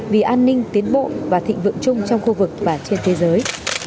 vì an ninh tiến bộ và thịnh vượng chung trong khu vực và trên thế giới